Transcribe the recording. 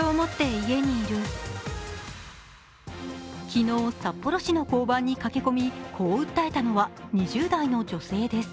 昨日札幌市の交番に駆け込みこう訴えたのは２０代の女性です。